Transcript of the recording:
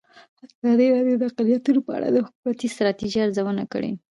ازادي راډیو د اقلیتونه په اړه د حکومتي ستراتیژۍ ارزونه کړې.